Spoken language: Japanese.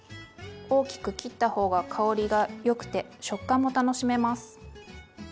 大きく切った方が香りがよくて食感も楽しめます。